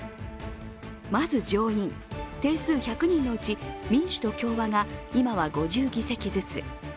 まず上院、定数１００人のうち民主と共和が今は５０議席ずつ。